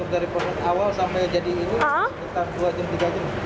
dari awal sampai jadi ini sekitar dua jam tiga jam